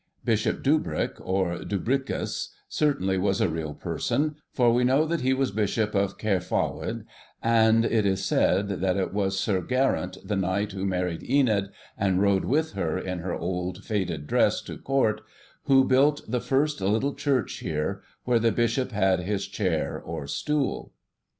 Bishop Dubric, or Dubricus, certainly was a real person, for we know that he was Bishop of Cærffawydd, and it is said that it was Sir Geraint, the Knight who married Enid, and rode with her, in her old faded dress, to Court, who built the first little church here, where the Bishop had his chair or 'stool.